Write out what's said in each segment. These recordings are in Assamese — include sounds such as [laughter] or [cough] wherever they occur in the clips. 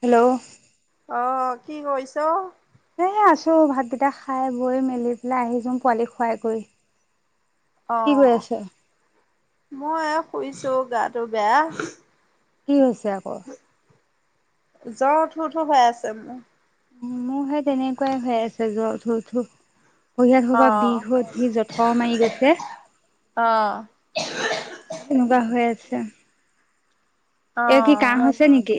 হেল্ল'। অ', কি কৰিছ?। এ, আছো ভাতকেইটা খাই বৈ মেলি পেলাই আহিছো পোৱালি শুৱাই কৰি। কি কৰি অ'। আছ? মই এ, শুইছোঁ গাটো বেয়া। কি হৈছ? য়া কৰ। জ্বৰ উঠো উঠো হৈ আছে মোৰ। মোৰ সেই তেনেকুৱাই হৈ আছে জ্বৰ উঠো উঠো। ভৰি-হাত সবা অ', বিষ উঠি জঠৰ মাৰি গৈছে। অ', এনেকুৱা হৈ আছে। এই কি কাঁহ অ'। হৈছে নেকি?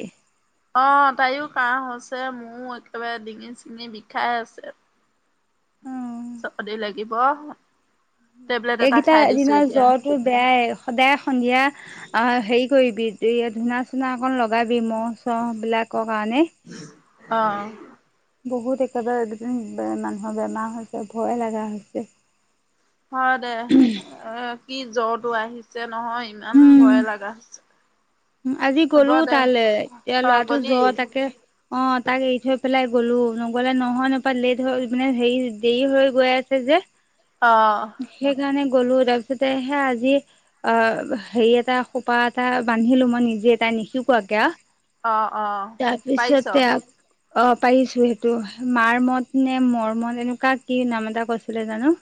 অ', তাইৰো কাঁহ হৈছে মোৰো একেবাৰে ডিঙি চিঙি বিষাই আছে। চৰ্দি লাগিব। টেবলেট এটা এইকিটা খাই দিছো দিনৰ এতিয়া জ্বৰটো বেয়াই। সদায় সন্ধিয়া অ', হেৰি। কৰিবি। যেইয়া ধূনা-চূনা অকন লগাই। এই ম'হ চ'হ বিলাকৰ কাৰণে। অহ। বহুত একেবাৰে এই দুদিন মানুহৰ বেমাৰ হৈছে ভয়ে লগা হৈছে। হয় দে অ। কি জ্বৰটো আহিছে। নহয় ইমান উম ভয়ে লগা হৈছে। আজি হ'ব গ'লো দে তালৈ এতিয়া অ', ল'ৰাটো গলি জ্বৰ তাকে অ তাক এৰি থৈ। পেলাই গ'লো নগলে নহয় নাপায় লেট হৈ মানে হেৰি দেৰি হৈ গৈ আছে যে। অ', সেইকাৰণে গ'লো তাৰ পিছতে সেই আজি অ হেৰি এটা খোপা এটা বা বান্ধিলো মই নিজে তাই নিশিকোৱাকে আও। অঁ-অঁ পাৰিছ। অঁ পাৰিছো সেইটো মাৰ মত নে মোৰ মন এনেকুৱা কি নাম এটা কৈছিলে জানো।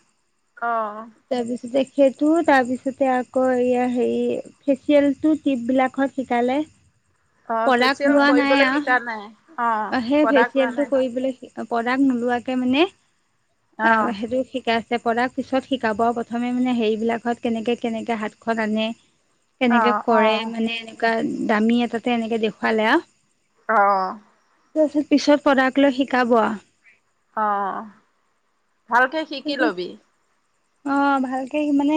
অঁ। তাৰপিছতে সেইটো তাৰপিছতে আকৌ এইয়া হেৰি ফেচিয়েলটোত টীপ বিলাকত শিকালে। অঁ প্ৰডাক্ট ফেচিয়েল লোৱা নাই কৰিবলৈ আও শিকা নাই, অ সেই প্ৰডাক্ট লোৱা ফেচিয়েলটো নাই। কৰিবলৈ প্ৰডাক্ট নোলোৱাকে মানে অঁ অ', সেইটো শিকাইছ তে প্ৰডাক্ট পিছত শিকাব প্ৰথমে মানে হেৰি বিলাকত কেনেকে- কেনেকে হাতখন আনে কেনেকে অ', কৰে অ', মানে এনেকুৱা দামী এটাটে এনেকে দেখুৱালে আৰু। অঁ। তাৰপিছত পিছত প্ৰডাক্ট লৈ শিকাব আৰু। অঁ। ভালকে শিকি লবি। অঁ ভালকে মানে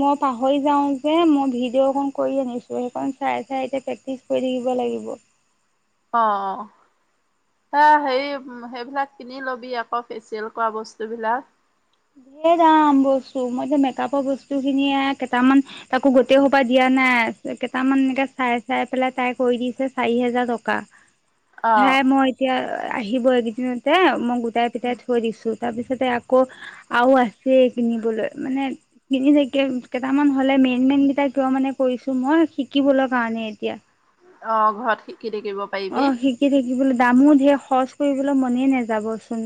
মই পাহৰি যাওঁ যে মই ভিডিঅ অকণ কৰি আনিছো, সেই কণ চাই চাই এতিয়া প্ৰেক্টিছ কৰি থাকিব লাগিব। অ' এ হেৰি সেইবিলাক কিনি লবি আকৌ ফেচিয়েল কৰা বস্তুবিলাক। ধেৰ দাম বস্তু মইটো মেকআপৰ বস্তু খিনিয়ে কেইটামান তাকো গোটেই সোপা দিয়া নাই, কেইটামান এনেকে চাই- চাই পেলাই তাই কৰি দিছে চাৰি হেজাৰ টকা। অ', সেয়াই মই এতিয়া আহিব এইকেইদিনতে মই গো টাই গোটাই থৈ দিছোঁ। তাৰ পিছতে আকৌ আৰু আছেই কিনিবলৈ মানে কিনি থাকিম, কেইটামান হ'লে মেইন- মেইন কেইটা কিয় মানে কৰিছো মই শিকিবলৈ কাৰণে এতিয়া। অঁ ঘৰত শিক অঁ শিকি থাকিবলৈ দামো ঢেৰ খৰচ কৰিবলৈ মনেই নাযাবচোন।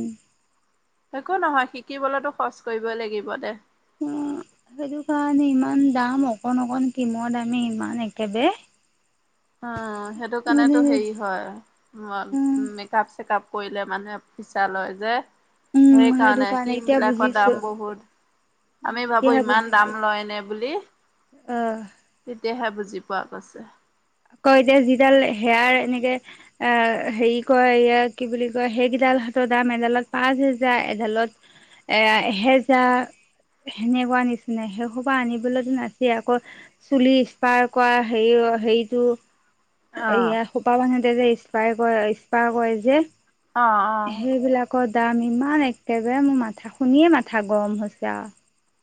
একো নহয় শিকিবলৈতো খৰচ কৰিবই লাগিব দে। অঁ সেইটো কাৰণে ইমান দাম অকণ-অকণ ক্ৰীমৰ দামে ইমান একেবাৰে। অঁ সেইটো মানে কাৰণেতো হেৰি হয় উম, ম মেকাপ চেকাপ কৰিলে মানুহে ফিচা লয় যে। উম, সেই সেইটো কাৰণে ক্ৰীম এতিয়া বিলাকৰ বুজিছো। দাম বহুত, উম, আমি ভাবো এতিয়াহে ইমান বুজিছো দাম লয়নে বুলি আহ তেতিয়াহে বুজ বুজি পোৱা গৈছে। আকৌ এতিয়া যিডাল হেয়াৰ এনেকে অ' হেৰি কয় কি বুলি কয় সেইকেইডাল হাতৰ দাম এডালত পাঁচ হেজাৰ, এডালত এ এহেজাৰ সেনেকুৱা নিচিনা সেই সোপা আনিবলেতো নাছিল আকৌ চুলি স্পাৰ কৰা হেৰি হেৰি। অ'। এইয়া সোপা বান্ধুতে যে। ইস্পাই কয় ইস্পাই কয় যে? অ', অ'। আকদাম ইমান একেবাৰে মোৰ মাথা শুনিয়ে মাথা গৰম হৈছে আ।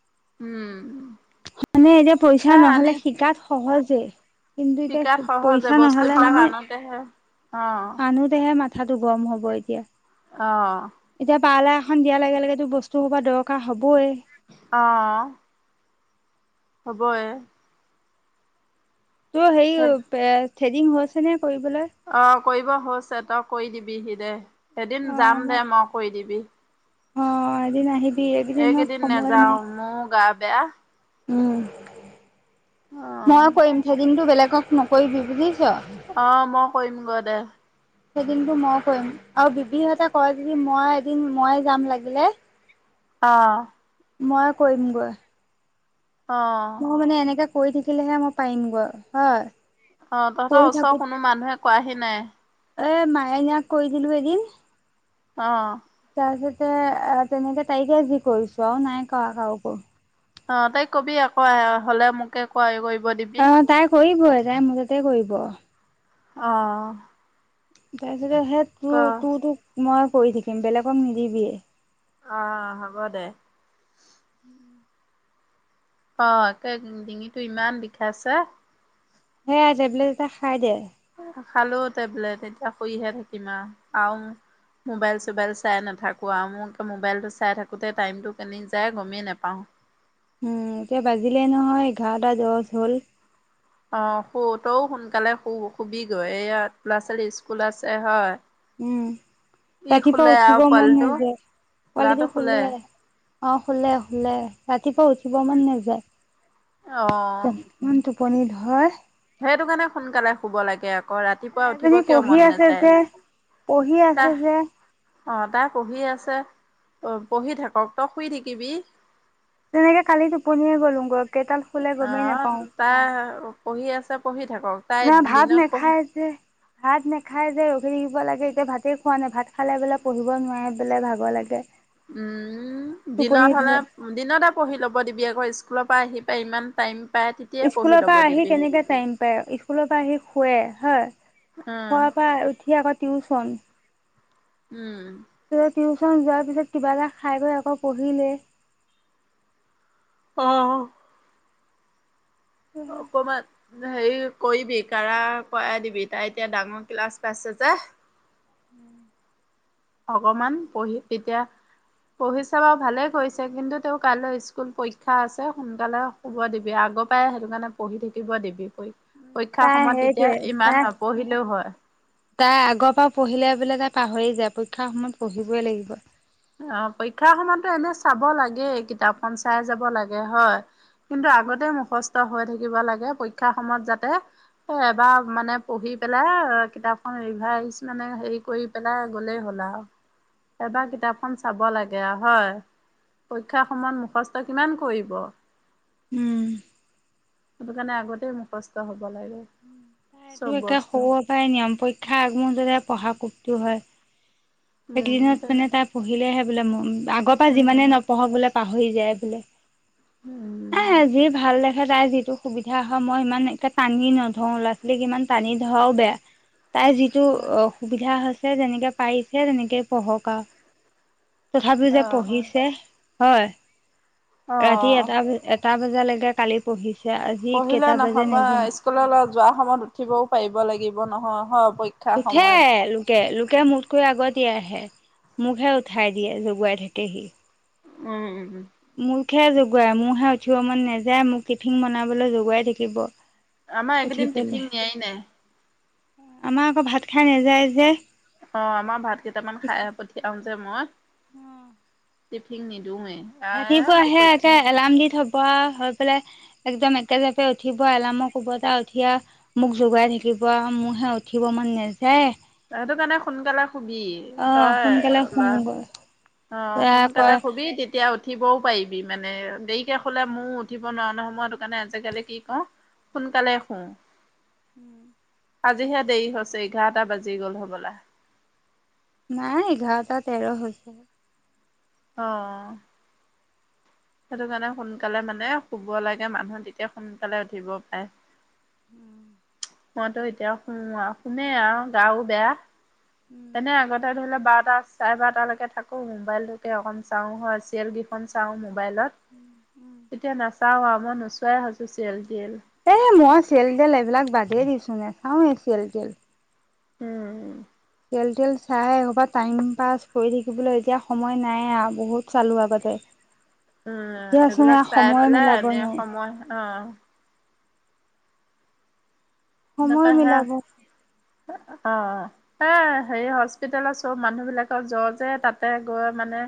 উম। মানে এতিয়া পইচা হে আনি নহ'লে শিকাত সহজ। তে। শিকাত সহজে বস্তুবিলাক আনোতেহে। অ'। আনোতেহে মা। কথাটো গম হ'ব এতিয়া। অ'। খন দিয়াৰ লগে লগেতো বস্তু সোপা দৰকাৰ হ'বয়ে। অ'। হ'বয়ে। তোৰ হেৰি পে থ্ৰেডিং হৈছে নে? অ', কৰিব হৈছে। তই কৰি দিবিহি। দে। এদিন অ' যাম মোক দে মই কৰি দিবি। অ' এদিন আহিবি, এইকেইদিনত এইকেইদিন সময় নেযাও নাই। মোৰো গা বেয়া। উম। অ'। ময়ে কৰিম। থ্ৰেডিংটো বেলেগক নকৰিবি বুজিছ? অ', মই কৰিম গৈ দে। থ্ৰেডিংটো ময়ে কৰিম আৰু বিবিহঁতে কৰে যদি মই এদিন মই যাম লাগিলে অ'। ময়ে কৰি দিম গৈ। অ' মানে এনেকে কৰি থাকিলেহে মই পাৰিমগৈ, হয়? অ' তহতৰ কৰি ওচৰ থাকো কোনো মানুহে কোৱাহি নাই। এ মায়নীয়োক কৈ দিলো এদিন। অ'। তাৰপিছতে অ' তেনেকে, তাইকে যি কৰিছো আৰু নাই কৰা কাকো। অ তাইক কবি আকৌ হলে মোকে ক কৰি অ, তাই কৰি [unintelligible] মোৰ তাতে কৰিব। অ', [unintelligible] তেতিয়া হে তোৰ-তোৰ তোক মই কৰি থাকিম বেলেগক নিদিবিয়ে। অ, হ'ব দে। অ, একে ডিঙি -ডিঙিটো ইমান বিষাইছে। সেয়া টেবলেট এটা খাই দে। খালো টেবলেট এতিয়া শুইহে থাকিম আৰু - আৰু মোবাইল চবাইল চাই নাথাকো আৰু মোক মবাইলটো চাই থাকোতে টাইমটো কেনি যায় গমেই নাপাওঁ। উম, এতিয়া বাজিলেই নহয় এঘৰটা দছ হ'ল। অ, সু তও সোনকালে শুবি গৈ এইয়া ল'ৰা - ছোৱালী স্কুল আছে হয়। উম, ই ৰাতিপুৱা শুলে আৰু উঠিব মন পোৱালিটো নযায় পোৱালিটো শুলে। অ, শুলে-শুলে ৰাতিপুৱা উঠিব মন নেযায়। অ', টোপনি ধৰে সেইটো কাৰণে সোনকালে শুব লাগে। আকৌ ৰাতিপুৱা উঠিব এজনী কিয় পঢ়ি মন আছে নাযায়। যে, পঢ়ি আছে তাহ যে। অ' তাই পঢ়ি আছে, অ' পঢ়ি থাকক তই শুই থাকিবি। তেনেকে কালি টোপনিয়ে গ'লো গৈ। অহ তাই পঢ়ি আছে পঢ়ি থাকক তাই না ভাত দিনত পঢ়ি নাখাই যে। ভাত নেখায় যে ৰখি থাকিব লাগে, এতিয়া ভাতে খোৱা নাই ভাত ভাত খালে বোলে পঢ়িব নোৱাৰে পেলাই ভাগৰ লাগে। উম টোপনি দিনত হ'লে ধৰে দিনতে পঢ়ি ল'ব দিবি আকৌ স্কুল স্কুলৰ পৰা আহি পাই ইমান টাইম পাই তেতিয়াই পঢ়ি স্কুলৰ ল'ব পৰা আহি দিবি কেনেকে টাইম পায়, স্কুলৰ পৰা আহি শুৱে। হয়। উম খোৱা পৰা উঠি আগত টিউচন। উম। তাৰপিচত টিউচন যোৱাৰ পিছত কিবা এটা খাই গৈ আকৌ পঢ়িলে। অহ। অকমান হেৰি কৰিবি কাৰা খোৱাই দিবি তাই এতিয়া ডাঙৰ ক্লাছ পাইছে যে। [inaudible] অকমান পঢ়ি তেতিয়া পঢ়িছে বাৰু ভালে কৰিছে কিন্তু তেওঁ কাইলৈ স্কুল পৰীক্ষা আছে সোনকালে শুব দিবি, আগৰ পৰাাই সেইটো কাৰণে পঢ়ি থাকিব দিবি। পৰীক্ষা তাই সময়ত তেতিয়া সেইটোৱে ইমান তাই নপঢ়িলেও হয়। তাই আগৰ পৰাও পঢ়িলে বোলে তাই পাহৰি যায়, পৰীক্ষাৰ সময়ত পঢ়িবই লাগিব। অ', পৰীক্ষাৰ সময়ততো এনে চাব লাগে কিতাপখন চাই যাব লাগে, হয়। কিন্তু আগতে মুখস্থ হৈ থাকি থাকিব লাগে পৰীক্ষাৰ সময়ত যাতে এবাৰ মানে পঢ়ি পেলাই কিতাপখন ৰিভাইজ মানে হেৰি কৰি পেলাই গলেই হ'ল আৰু। এবাৰ কিতাপ লাগে হয়, পৰীক্ষাৰ সময়ত মুখস্থ কিমান কৰিব, তাইতো সেইটো কাৰণে আগতে মুখস্থ হব লাগে। তাইটো চব একে বস্তু। সৰু পৰাই নিয়ম পৰীক্ষাৰ আগ মূহুৰ্তত যে পঢ়া কোপটো হয়। সেই কেই উম, দিনত তেনে মানে তাৰ পঢ়িলেহে বোলে মন আগৰ পৰা যিমানে উম, নপঢ়ক বোলে পাহৰি যায় বোলে। উম, এয়া যি ভাল দেখে। তাই যিটো সুবিধা হয় মই ইমান এটা টানি নধৰো ল'ৰা ছোৱালীক ইমান টানি ধৰাও বেয়া। তাই যিটো অ', সুবিধা হয় তাই যেনেকে পাই সেই তেনেকে পঢ়ক আৰু। তথাপিও যে অ', পঢ়িছে। হয়। অ', ৰাতি অ'। এটা ব এটা বাজে। যেনেকে কালি পঢ়ি পঢ়িলে নহব নহয়। স্কু্ললৈ যোৱা সময়ত উঠিবও পাৰিব লাগিব নহয়। [unintelligible] উঠে, সময়ত। লোকে লোকে মোত কৈ আগতীয়া হে। মোকহে উঠাই দিয়ে জগুৱাই থাকেহি। উম- উম- উম। মোকহে জগোই, মোৰহে উঠিব মন নেযায়, মোক টিফিন বনাবলৈ জগাই থাকিব। আমাৰ উঠি একদিন পেলাই টিফিন নিয়াই নাই। আমাৰ আকৌ ভাত খাই নাযায় যে। অ' আমাৰ ভাত কেইটামান খাই পঠিয়াও যে মই। টিফিন নিন ৰাতিপুৱা হেয়া একে এলাৰ্ম দি থব আও, হৈ পেলাই একদম একে জাপে উঠিব এলাৰ্মৰ কুবতে উঠি আও মোক জোগাই থাকিব আৰু মোৰহে উঠিব মন নেযায়। সেইটো কাৰণে, সোনকালে শুবি। আহ তই, সোনকালে শুমগৈ অ ল'ৰাই সোনকালে কয় শুবি তেতিয়া উঠিবও পাৰিবি মানে, দেৰিকে শুলে ময়ো উঠিব নুৱাও নহয়। মই হেতু কাৰণে আজিকালি কি কৰোঁ সোনকালে শু আজিহে দেৰি হৈছে। এঘাৰটা বাজি জি গ'ল হ'বলা। নাই এঘাৰটা তেৰ হৈছে। অ। সেইটো কাৰণে সোনকালে মানে শুব লাগে মানুহ। তেতিয়া সোনকালে উঠিব পাৰে। উম। মইতো এতিয়া শুও আও। শুমেই আওঁ গাও বেয়া। উম তেনে আগতে, ধৰি ল বাৰটা, চাৰে বাৰটা লৈকে থাকো মোবাইলটোকে অকণ চাওঁ হয় চিৰিয়েল গিখন চাওঁ মো মোবাইলত এ তেতিয়া নাচ চাৱ আও। মই নোচোৱাই হৈছোঁ ছিৰিয়েল এ মই চিয়েল-তিয়েল এইবিলাক বাদেই দিছ নাচাওঁয়ে চিয়েল তিয়েল। উম। চিয়েল-তিয়েল চাই এসোপা টাইম পাছ কৰি থাকিবলৈ এতিয়া সময় নাই আৰু। বহুত চালো আগতে। উম, এতিয়াচোন এইবিলাক এয়া চাই সময় পেলাই মিলাব এনে নোৱাৰো সময়। আহ! সময় নাপাহে মিলাব অ, এ হে হস্পিতেলত চব মানুহ বিলাকৰ জ্বৰ যে, তাতে গৈ মানে,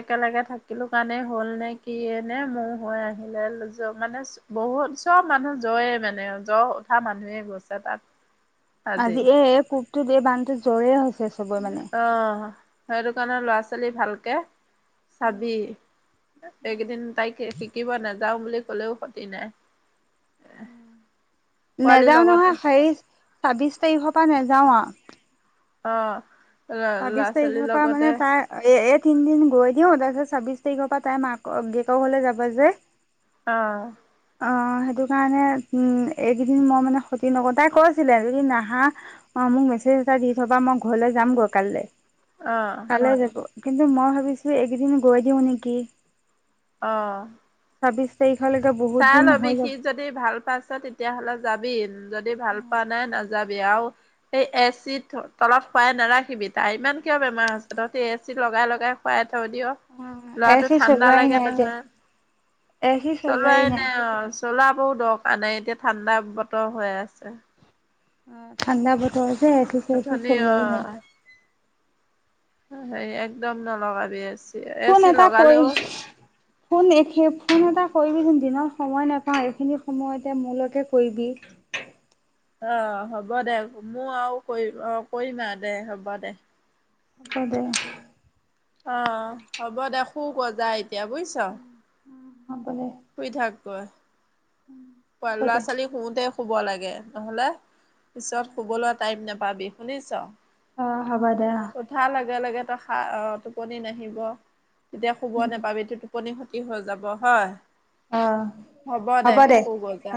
একেলগে থাকিলো কাৰণে হ'ল নে, কিয়ে নে, মোৰ হৈ আহিলে মানে বহুত চব মানুহ জ্বয়ে মানে। জ্বৰ উঠা মানুহ হে গছাতাত আজিয়ে এ কুক এই বানতো জোৰেই হৈছে। চবৰে মানে অহ', সেইটো কাৰণে ল'ৰা-ছোৱালী ভালকে। চাবি। এইকেইদিন তাইক শিকিব নাজ যাওঁ বুলি ক'লেও ক্ষতি নাই। পোৱালিৰ নেযাও লগতে নহয় সেই ছাব্বিশ তাৰিখৰ পৰা নে যাওঁ আ অ ল'ৰা ছাব্বিশ ছোৱালীৰ তাৰিখৰ পৰা মানে লগতে তাৰ এ এ তিনিদিন গৈ দিও তাৰপিছত ছাব্বিশ তাৰিখৰ পৰা তাই মাক দেউতাকৰ ঘৰলে যাব যে। অ অ সেইটো কাৰণে উ এইকেইদিন মই মানে ক্ষতি নক, তাই কৈছিলে যদি নাহা অ মোক মেছেজ এটা দি থবা মই ঘৰলৈ যামগৈ কাইলৈ। অ', কালে যিবো। কিন্তু মই ভাবিছো এইকেইদিন গৈ দিওঁ নেকি! অহ ছাব্বছ তাৰিখলৈকে বহুত চাই দিন লবি হৈ সি যাব যদি ভাল পাইছে তেতিয়াাহলে যাব বি যদি ভাল পোৱা নাই না যাবি আও সেই এ চি তলত খুৱাই নাৰাখিবি তাৰ ইমান কিয় বেমাৰ হৈছে তহতি এ চি লগাই লগাই হোৱাই থয় দিয় অ এ লৰাটো চি ঠাণ্ডা চলোৱাই লাগে নাই যে নহয়। এ চি চলোৱাই লোৱাই নাই অ মচলা বোৰ দৰকাৰ নাই এতিয়া ঠাণ্ডা বতৰ হৈ আছে। অ ঠাণ্ডা বত এ চি চে চি অথনি চলোৱাই নাই। অ', হেৰি একদম নলগাবিব এ চ ফোন এটা কৰি কোন [unintelligible] ফোন এটা কৰিবিচোন দিনত সময় নাপাওঁ এইখিনি সময়তে মোলৈকে কৰিবি। অ হ'ব দে মই আৰু কৰি অ কৰিমা দে হ'ব দে। অ দে অ হ'ব দে শুগেজা এতিয়া বুজিছ। হ'ব দে শুই থাক [unintelligible] হ'ব ল'ৰা দে ছোৱালী শুওতে শুব লাগে। নহলে পিছত শুবলৈ টাইম নাপাবি শুনিছ। অ হ'ব দে অ উঠা লগে লগে ত অ টোপনি নাহিব। তেতিয়া শুব নাপাবি ইটো টোপনি সতি হৈ যাব হয়? অ হ'ব দে সূগৈ যা।